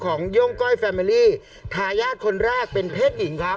โย่งก้อยแฟเมอรี่ทายาทคนแรกเป็นเพศหญิงครับ